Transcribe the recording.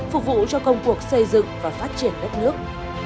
phục vụ cho công cuộc xây dựng và phát triển đất nước